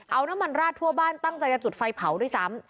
เอาน้ำมันราดทั่วบ้านตั้งใจจะจุดไฟเผาด้วยซ้ำ